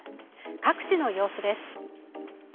各地の様子です。